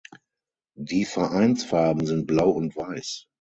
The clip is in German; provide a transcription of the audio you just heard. Die Vereinsfarben sind Blau und Weiß.